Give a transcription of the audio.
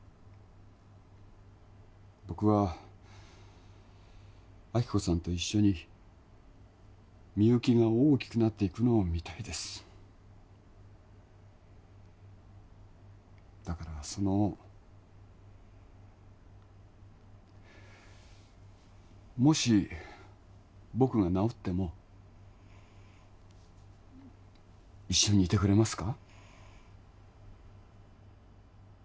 僕は亜希子さんと一緒にみゆきが大きくなっていくのを見たいですだからそのもし僕が治っても一緒にいてくれますか？